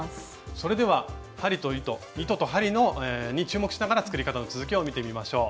それでは針と糸に注目しながら作り方の続きを見てみましょう。